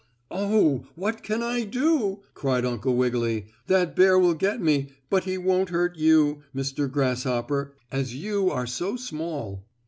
"Oh, what can I do?" cried Uncle Wiggily. "That bear will get me, but he won't hurt you, Mr. Grasshopper, as you are so small."